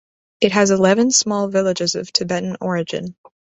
It has eleven small villages of Tibetan origin.